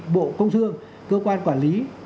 bộ công thương cơ quan quản lý